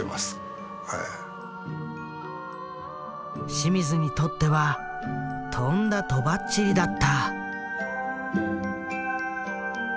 清水にとってはとんだとばっちりだった。